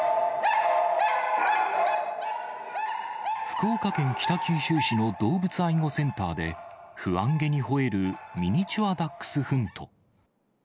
福岡県北九州市の動物愛護センターで、不安げにほえるミニチュアダックスフント。